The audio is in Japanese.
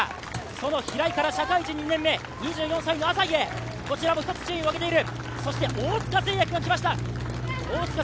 その平井から社会人２年目、２４歳の朝日へこちらも１つ順位を上げている。